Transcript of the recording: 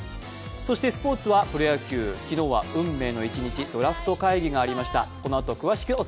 そしてスポ−ツはプロ野球、昨日は運命の一日、ドラフト会議がありました。